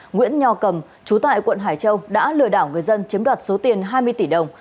nguyễn nho cầm chú tại quận hải châu đã lừa đảo người dân chiếm đoạt số tiền hai mươi tỷ đồng